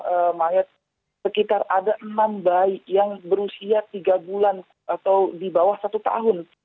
ada mayat sekitar ada enam bayi yang berusia tiga bulan atau di bawah satu tahun